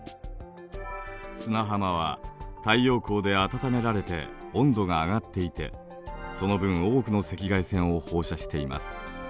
砂浜は太陽光で温められて温度が上がっていてその分多くの赤外線を放射しています。